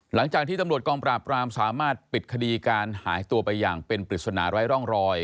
หลังจากที่ตำรวจกองปราบรามสามารถปิดคดีการหายตัวไปอย่างเป็นปริศนาไร้ร่องรอย